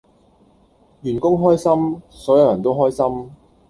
員工開心，所有人都開心